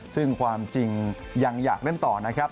ซึ่งความจริงยังอยากเล่นต่อนะครับ